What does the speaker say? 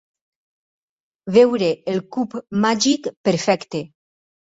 Veure el cub màgic perfecte.